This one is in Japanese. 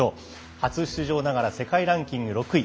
初出場ながら世界ランキング６位。